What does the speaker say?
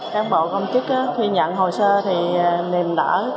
các bộ công chức khi nhận hồ sơ thì niềm đỡ